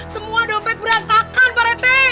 semua dompet berantakan pak rete